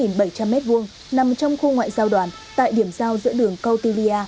nằm trong khu ngoại giao đoàn tại điểm sau giữa đường câu tây